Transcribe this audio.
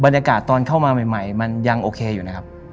บรรยากาศตอนเข้ามาใหม่มันยังโอเคอยู่นะครับ